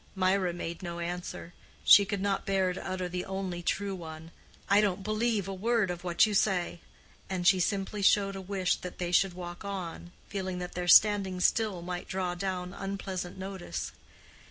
Mirah made no answer; she could not bear to utter the only true one—"I don't believe one word of what you say"—and she simply showed a wish that they should walk on, feeling that their standing still might draw down unpleasant notice.